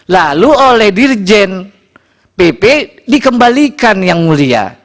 lalu oleh dirjen pp dikembalikan yang mulia